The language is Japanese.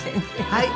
はい。